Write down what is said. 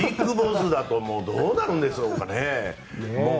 ＢＩＧＢＯＳＳだとどうなるんでしょうかね。